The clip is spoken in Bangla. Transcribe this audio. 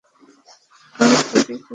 ওর ক্ষতি করিস না!